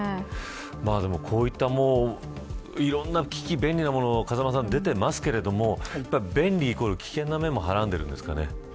でも、こういったいろんな機器便利なものが出てますけど便利イコール危険な目もはらんでいるんですかね。